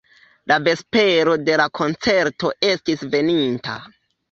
La vespero de la koncerto estis veninta.